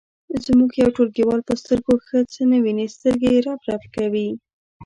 زموږ یو ټولګیوال په سترګو ښه څه نه ویني سترګې یې رپ رپ کوي.